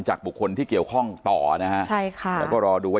จากบุคคลที่เกี่ยวข้องต่อนะครับแล้วก็รอดูว่า